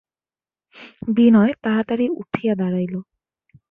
বিনয় তাড়াতাড়ি উঠিয়া দাঁড়াইল।